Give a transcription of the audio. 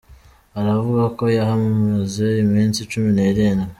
Aravuga ko yahamaze iminsi cumi n’irindwi.